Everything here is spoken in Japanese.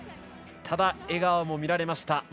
ただ、笑顔も見られました。